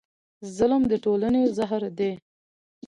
ظلم د ټولنې زهر دی.